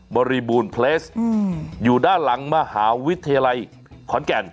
บริบูรณ์เพลสอยู่ด้านหลังมหาวิทยาลัยขอนแก่น